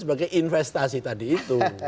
sebagai investasi tadi itu